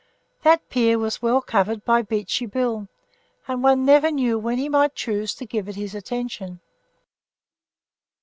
That pier was well covered by Beachy Bill, and one never knew when he might choose to give it his attention.